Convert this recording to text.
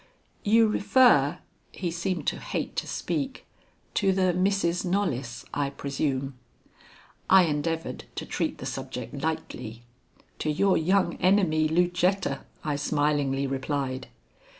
"You refer" he seemed to hate to speak "to the Misses Knollys, I presume." I endeavored to treat the subject lightly. "To your young enemy, Lucetta," I smilingly replied.